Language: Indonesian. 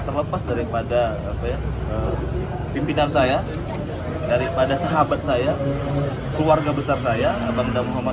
terlepas daripada pimpinan saya daripada sahabat saya keluarga besar saya abang damohamad